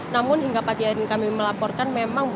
namun hingga pagi hari ini kami melaporkan